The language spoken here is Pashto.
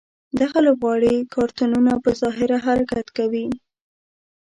دغه لوبغاړي کارتونونه په ظاهره حرکت کوي.